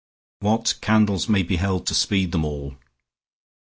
What candles may be held to speed them all?